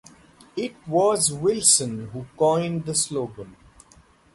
It was Wilson who coined the slogan.